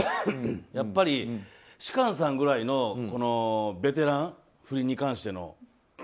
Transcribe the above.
やっぱり芝翫さんくらいのベテラン不倫に関しての。